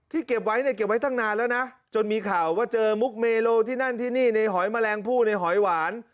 เก็บไว้เนี่ยเก็บไว้ตั้งนานแล้วนะจนมีข่าวว่าเจอมุกเมโลที่นั่นที่นี่ในหอยแมลงผู้ในหอยหวาน